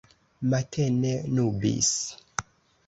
Matene nubis.